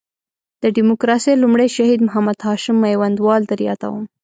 د ډیموکراسۍ لومړی شهید محمد هاشم میوندوال در یادوم.